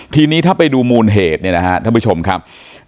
ทีนี้ถ้าไปดูมูลเหตุถ้าผู้ชมครับ